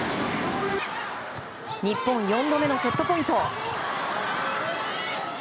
日本、４度目のセットポイント。